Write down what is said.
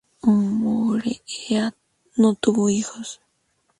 Moorehead no tuvo hijos.